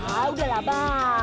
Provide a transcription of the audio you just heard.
ah udahlah bang